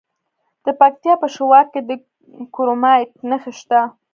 د پکتیا په شواک کې د کرومایټ نښې شته.